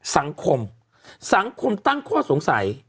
สังคมสังคมตั้งข้อสงสัย